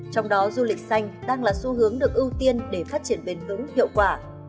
trong đó du lịch xanh đang là xu hướng được ưu tiên để phát triển bền vững hiệu quả